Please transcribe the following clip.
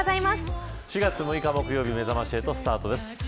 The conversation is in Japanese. ４月６日木曜日めざまし８スタートです。